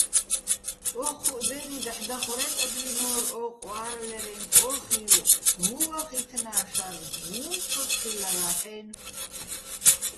ო́ჴუჸ დე́ნი დაჰ̦ დახვრე́ტადვინორ ო ყვა́რლერეჼ კოხივ, უ̂ჼ ვახითნა შარნ, უ̂ჼ ცო თხილლარა́ჰ̦-აჲნო̆.